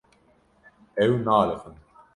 Ew naaliqin.